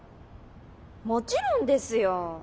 もちろんですよォ。